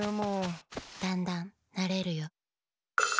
だんだんなれるよ。